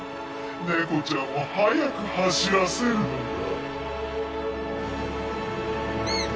ネコちゃんを速く走らせるのだ。